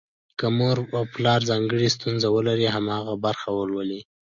که مور او پلار ځانګړې ستونزه ولري، هماغه برخه ولولي.